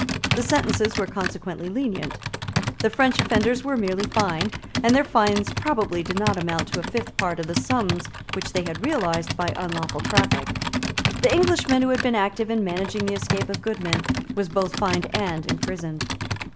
The sentences were consequently lenient. The French offenders were merely fined; and their fines probably did not amount to a fifth part of the sums which they had realised by unlawful traffic. The Englishman who had been active in managing the escape of Goodman was both fined and imprisoned.